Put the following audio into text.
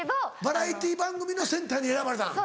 バラエティー番組のセンターに選ばれたの。